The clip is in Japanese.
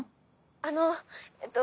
あのえっと